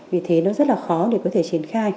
vì thế nó rất là khó để có thể triển khai